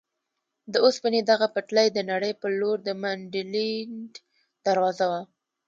د اوسپنې دغه پټلۍ د نړۍ په لور د منډلینډ دروازه وه.